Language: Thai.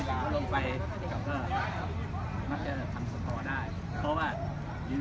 การเล่นอย่างเดิม